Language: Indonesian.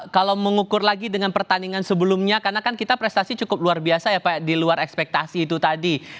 kalau mengukur lagi dengan pertandingan sebelumnya karena kan kita prestasi cukup luar biasa ya pak di luar ekspektasi itu tadi